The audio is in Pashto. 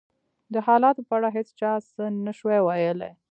د حالاتو په اړه هېڅ چا څه نه شوای ویلای.